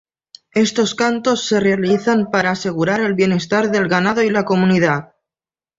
Estos cantos se realizan para asegurar el bienestar del ganado y la comunidad.